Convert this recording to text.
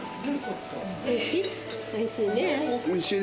おいしい？